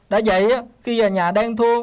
đã vậy á khi gà nhà đang thua